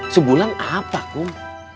sebulan apa kum